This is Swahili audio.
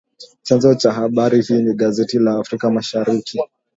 Chanzo cha habari hii ni gazeti la Afrika Mashariki